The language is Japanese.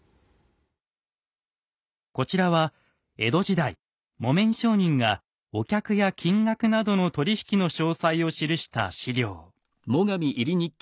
こちらは江戸時代木綿商人がお客や金額などの取り引きの詳細を記した史料。